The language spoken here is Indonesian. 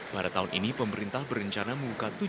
pada tahun ini pemerintah berencana membuka